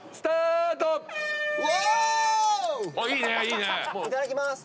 いただきます。